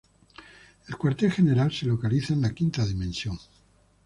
El cuartel general se localiza en la quinta dimensión.